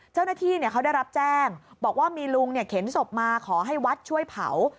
เจ้าหน้าที่เขาได้รับแจ้งบอกว่ามีลุงเข็นศพมาขอให้วัดช่วยเผา